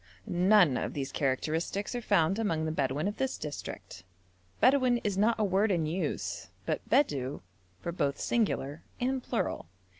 None of these characteristics are found among the Bedouin of this district. Bedouin is not a word in use, but Bedou for both singular and plural.